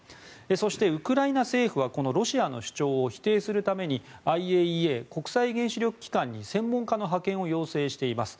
そして、ウクライナ政府はこのロシアの主張を否定するためにＩＡＥＡ・国際原子力機関に専門家の派遣を要請しています。